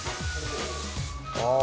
ああ。